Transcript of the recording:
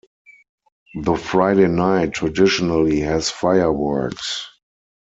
The Friday night traditionally has fireworks.